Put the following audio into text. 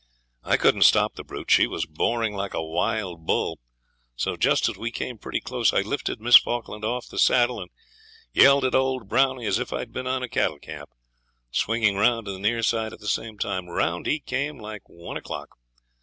I couldn't stop the brute; she was boring like a wild bull. So just as we came pretty close I lifted Miss Falkland off the saddle and yelled at old Brownie as if I had been on a cattle camp, swinging round to the near side at the same time. Round he came like one o'clock.